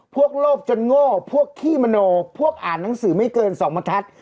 โลกจนโง่พวกขี้มโนพวกอ่านหนังสือไม่เกิน๒บรรทัศน์